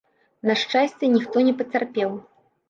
На шчасце, ніхто не пацярпеў.